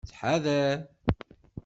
Ttḥadar.